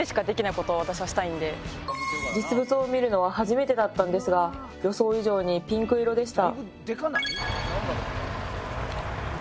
実物を見るのは初めてだったんですが予想以上にピンク色でした。